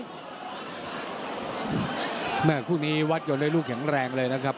คุณรภาพนี้วัดอยู่ในรูขีของแรงนะครับ